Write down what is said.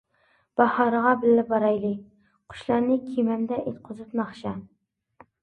باھارغا بىللە بارايلى، قۇشلارنى كېمەمدە ئېيتقۇزۇپ ناخشا.